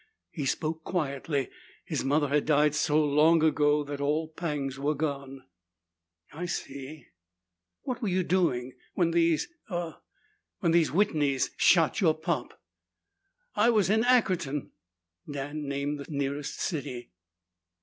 He spoke quietly. His mother had died so long ago that all pangs were gone. "I see. What were you doing when these uh when these Whitneys shot your pop?" "I was in Ackerton." Dan named the nearest city.